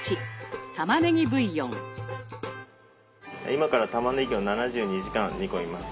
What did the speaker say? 今からたまねぎを７２時間煮込みます。